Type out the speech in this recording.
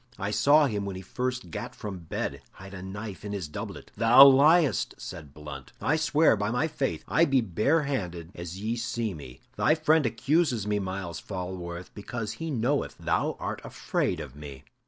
I saw him when he first gat from bed hide a knife in his doublet." "Thou liest!" said Blunt. "I swear, by my faith, I be barehanded as ye see me! Thy friend accuses me, Myles Falworth, because he knoweth thou art afraid of me."